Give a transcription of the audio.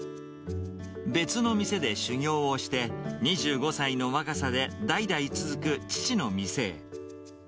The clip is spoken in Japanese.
別の店で修業をして、２５歳の若さで代々続く父の店へ。